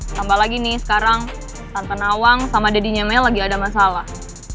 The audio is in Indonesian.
tambah lagi nih sekarang tante nawang sama dadinya mel lagi ada masalah